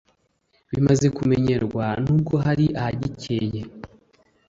bimaze kumenyerwa nubwo hari ahagikeye